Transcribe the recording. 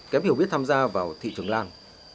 kém hiểu biết tham gia vào thị trường lan